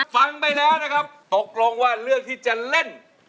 ฟังไปแล้วนะครับตกลงว่าเลือกที่จะเล่น